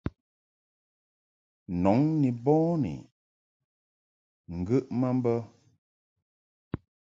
Nɔŋ ni bɔni ŋgəʼ ma mbə.